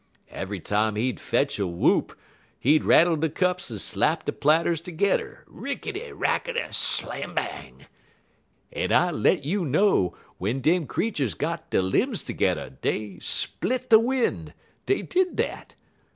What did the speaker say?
"Eve'y time he'd fetch a whoop, he'd rattle de cups en slap de platters tergedder rickety, rackety, slambang! En I let you know w'en dem creeturs got dey lim's tergedder dey split de win', dey did dat.